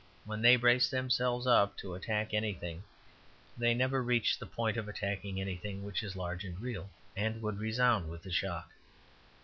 When they brace themselves up to attack anything, they never reach the point of attacking anything which is large and real, and would resound with the shock.